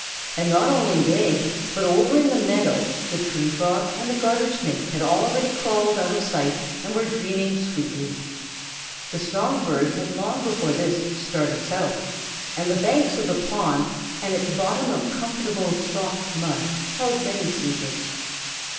And not only they, but over in the meadow the Tree Frog and the Garter Snake had already crawled out of sight and were dreaming sweetly. The song birds had long before this started south, and the banks of the pond and its bottom of comfortable soft mud held many sleepers.